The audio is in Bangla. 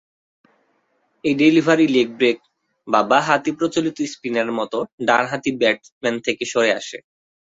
এই ডেলিভারি লেগ ব্রেক বা বাঁ-হাতি প্রচলিত স্পিনারের মতো ডানহাতি ব্যাটসম্যান থেকে সরে আসে।